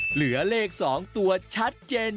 เหลือเลข๒ตัวชัดเจน